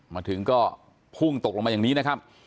มาถึงก็พุ่งตกลงมาอย่างนี้นะครับ